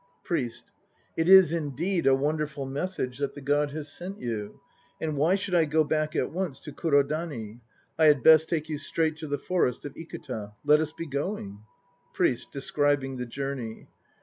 PRIEST. It is indeed a wonderful message that the God has sent you. And why should I go back at once to Kurodani? I had best take you straight to the forest of Ikuta. Let us be going. PRIEST (describing the journey).